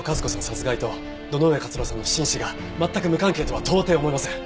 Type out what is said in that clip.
殺害と堂上克郎さんの不審死が全く無関係とは到底思えません。